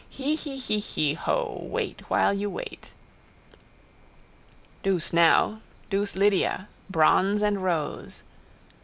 Hee hee hee hee. Hoh. Wait while you wait. Douce now. Douce Lydia. Bronze and rose.